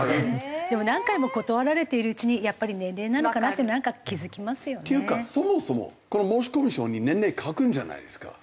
でも何回も断られているうちにやっぱり年齢なのかなってなんか気付きますよね。というかそもそもこの申込書に年齢書くんじゃないですか。